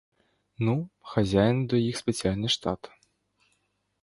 Ну, хазяїн до їх спеціальний штат.